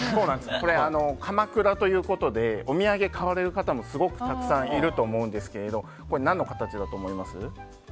これ、鎌倉ということでお土産を買われるかたもすごくたくさんいると思うんですけどこれ、何の形だと思います？